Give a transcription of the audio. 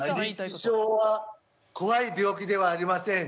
認知症は怖い病気ではありません。